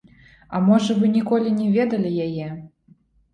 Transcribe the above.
А можа, вы ніколі не ведалі яе.